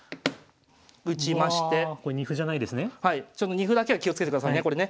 二歩だけは気をつけてくださいねこれね。